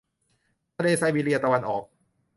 ทะเลไซบีเรียตะวันออก